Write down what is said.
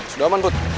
sudah aman put